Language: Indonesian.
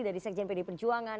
dari sekjen pd perjuangan